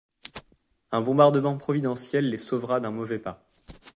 Un bombardement providentiel les sauvera d'un mauvais pas.